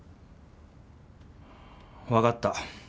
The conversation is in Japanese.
分かった。